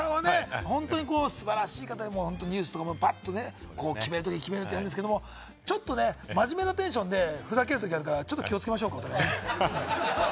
武田さんはね、本当に素晴らしい方でニュースとかもバッと決めるときは決めるんですけれども、ちょっとね、真面目なテンションでふざけるときあるから、ちょっと気をつけましょうかね。